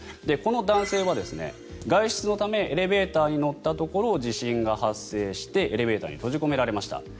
この男性は外出のためエレベーターに乗ったところ地震が発生してエレベーターに閉じ込められました。